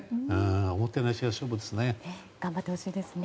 おもてなしは勝負ですね。